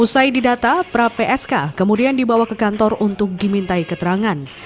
usai didata pra psk kemudian dibawa ke kantor untuk dimintai keterangan